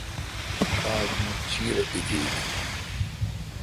آج مہ چیرہ ایتیتھ ۔